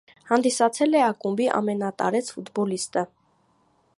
Հանդիսացել է ակումբի ամենատարեց ֆուտբոլիստը։